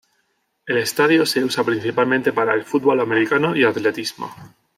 El estadio se utiliza principalmente para el fútbol americano y atletismo.